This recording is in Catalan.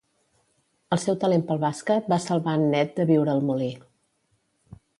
El seu talent pel bàsquet va salvar en Ned de viure al molí.